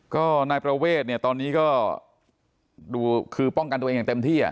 ก็นายประเวทเนี่ยตอนนี้ก็ดูคือป้องกันตัวเองอย่างเต็มที่